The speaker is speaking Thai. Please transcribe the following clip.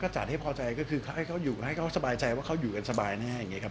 ก็จัดให้พอใจควรให้เขาอยู่ให้เขาสบายใจว่าเขาอยู่กันสบายแน่ครับ